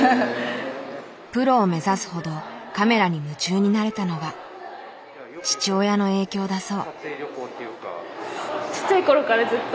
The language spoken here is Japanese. プロを目指すほどカメラに夢中になれたのは父親の影響だそう。